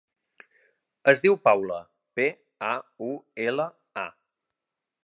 Es diu Paula: pe, a, u, ela, a.